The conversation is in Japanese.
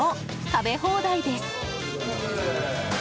食べ放題です。